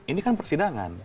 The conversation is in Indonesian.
ini kan persidangan